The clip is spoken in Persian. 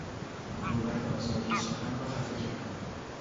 دولت آزادی سخن را خفه کرد.